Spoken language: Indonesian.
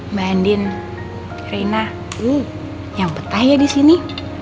mbak andin reina yang petah ya disini